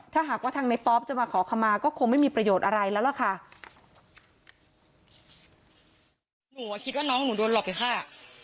ถ้าหากว่าทางในป๊อปจะมาขอขมาก็คงไม่มีประโยชน์อะไรแล้วล่ะค่ะ